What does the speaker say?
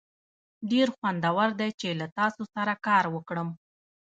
ډیر خوندور دی چې له تاسو سره کار وکړم.